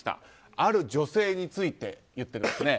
ある女性について言っているんですね。